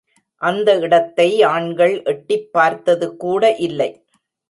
அந்த இடத்தை ஆண்கள் எட்டிப்பார்த்தது கூட இல்லை.